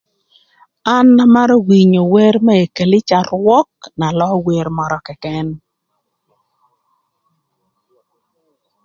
An amarö winyo wer më ekelicia rwök na löö wer mörö këkën.